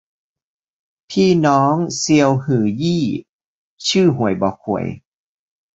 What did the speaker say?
พี่น้องเซียวฮื่อยี้ ชื่อฮวยบ่อข่วย